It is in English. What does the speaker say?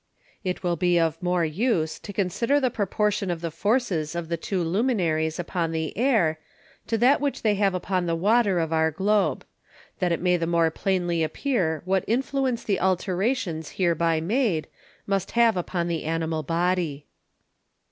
It will be of more use to consider the Proportion of the Forces of the two Luminaries upon the Air, to that which they have upon the Water of our Globe; that it may the more plainly appear what Influence the Alterations hereby made, must have upon the Animal Body.